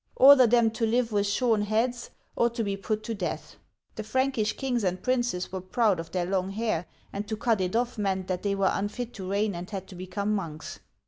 Order them to live with shorn heads, or to. be put to death." The Prankish kings and princes were proud of their long hair, and to cut it off meant that they were unfit to reign and had to become monks.